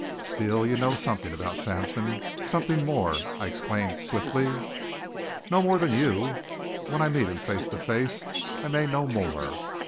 "Steele, you know something about Sampson something more!" I exclaimed swiftly. "No more than you. When I meet him face to face I may know more.